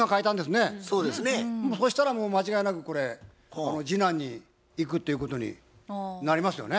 そしたらもう間違いなくこれ次男に行くっていうことになりますよね。